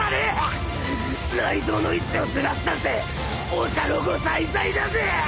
内臓の位置をずらすなんてお茶の子さいさいだぜ！